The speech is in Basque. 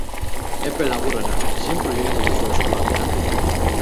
Epe laburrera, zein proiektu duzu eskuartean?